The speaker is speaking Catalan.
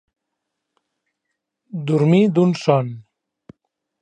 Dormir d'un son.